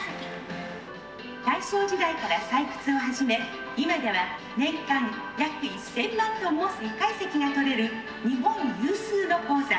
「大正時代から採掘を始め今では年間約１千万トンも石灰石が採れる日本有数の鉱山。